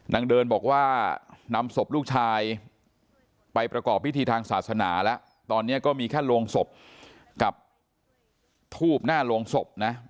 นางเดินบอกว่านำศพลูกชายไปประกอบพิธีทางศาสนาแล้วตอนนี้ก็มีแค่โรงศพกับทูบหน้าโรงศพนะ